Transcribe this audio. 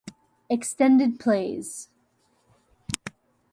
Extended plays